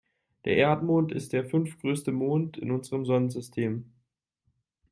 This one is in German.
Der Erdmond ist der fünftgrößte Mond in unserem Sonnensystem.